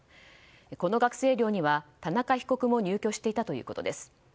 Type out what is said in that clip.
この学生寮には、田中被告も入居していたということです。